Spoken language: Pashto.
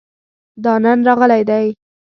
دا نن راغلی دی